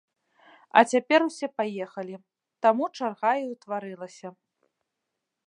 А цяпер усе паехалі, таму чарга і ўтварылася.